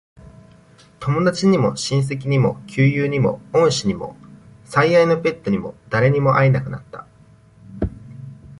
友達にも、親戚にも、旧友にも、恩師にも、最愛のペットにも、誰にも会えなくなった。